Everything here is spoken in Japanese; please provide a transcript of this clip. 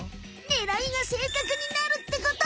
ねらいがせいかくになるってこと。